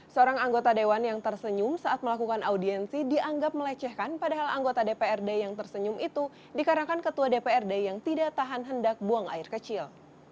seorang anggota dewan yang tersenyum saat melakukan audiensi dianggap melecehkan padahal anggota dprd yang tersenyum itu dikarenakan ketua dprd yang tidak tahan hendak buang air kecil